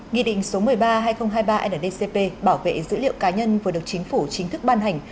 nghị định số một mươi ba hai nghìn hai mươi ba ndcp bảo vệ dữ liệu cá nhân vừa được chính phủ chính thức ban hành